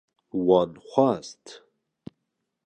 Wan xwest